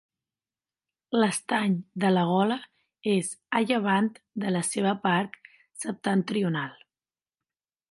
L'Estany de la Gola és a llevant de la seva part septentrional.